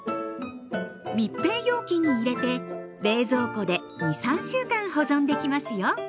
密閉容器に入れて冷蔵庫で２３週間保存できますよ。